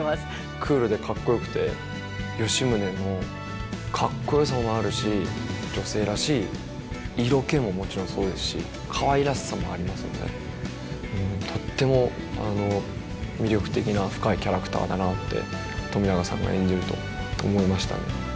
クールでかっこよくて吉宗のかっこよさもあるし女性らしい色気ももちろんそうですしかわいらしさもありますのでとっても魅力的な深いキャラクターだなって冨永さんが演じると思いましたね。